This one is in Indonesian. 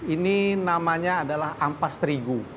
ini namanya adalah ampas terigu